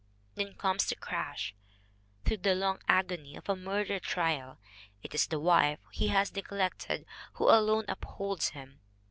Then comes the crash. Through the long agony of a murder trial it is the wife he has neglected who alone upholds him.